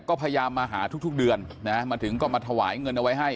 ก็พยายามมาหาทุกเดือนนะมาถึงก็มาถวายเงินเอาไว้ให้